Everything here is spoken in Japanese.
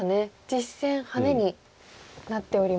実戦ハネになっております。